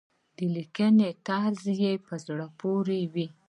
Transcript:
د لیکنې طرز يې په زړه پورې وي.